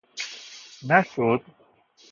نشد!